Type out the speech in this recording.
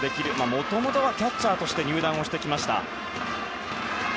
もともとはキャッチャーとして入団してきました。